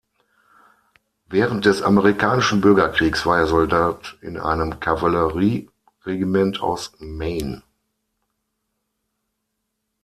Während des Amerikanischen Bürgerkriegs war er Soldat in einem Kavallerieregiment aus Maine.